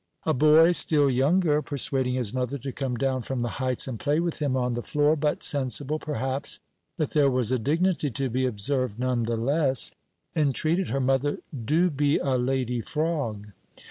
A boy, still younger, persuading his mother to come down from the heights and play with him on the floor, but sensible, perhaps, that there was a dignity to be observed none the less, entreated her, "Mother, do be a lady frog."